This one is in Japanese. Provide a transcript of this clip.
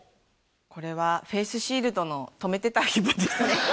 これはフェースシールドの留めてたヒモですね